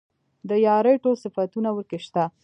د يارۍ ټول صفتونه ورکې شته.